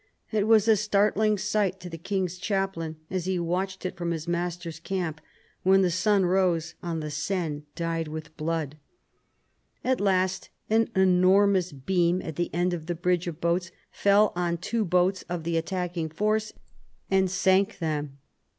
It was a startling sight to the king's chaplain as he watched it from his master's camp when the sun rose on the Seine dyed with blood. At last an enormous beam at the end of the bridge of boats fell on two boats of the attacking force and sank them.